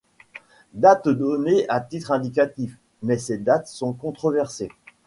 Dates données à titre indicatif, mais ces dates sont controversées.